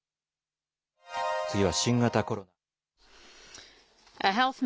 次は新型コロナ。